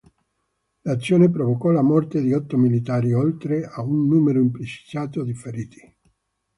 L'azione provocò la morte di otto militari, oltre a un numero imprecisato di feriti.